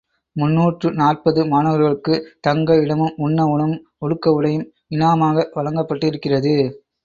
முன்னூற்று நாற்பது மாணவர்களுக்கு தங்க இடமும், உண்ண உணவும், உடுக்க உடையும் இனாமாக வழங்கப்பட்டிருக்கிறது.